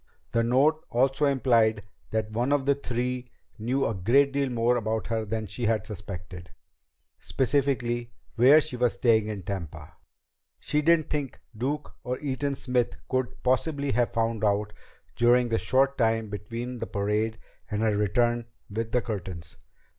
The note also implied that one of the three knew a great deal more about her than she had suspected specifically where she was staying in Tampa. She didn't think Duke or Eaton Smith could possibly have found out during the short time between the parade and her return with the Curtins.